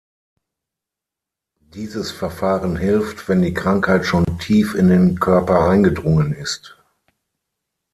Dieses Verfahren hilft, wenn die Krankheit schon tief in den Körper eingedrungen ist.